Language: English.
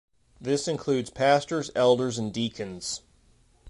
This includes pastors, elders and deacons.